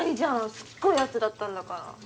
すっごい圧だったんだから。